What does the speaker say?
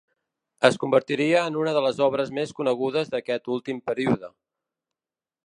Es convertiria en una de les obres més conegudes d'aquest últim període.